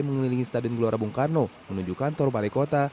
mengelilingi stadion gelora bung karno menuju kantor balai kota